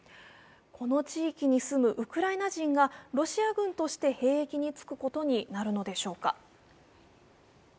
この地域に住むウクライナ人がロシア軍として兵役に就くことになるのでしょうか。